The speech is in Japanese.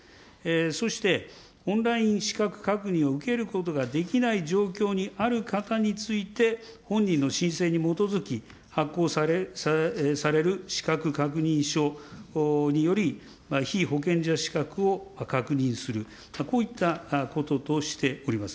そしてオンライン資格確認を受けることができない状況にある方について、本人の申請に基づき発行される資格確認書により、被保険者資格を確認する、こういったこととしております。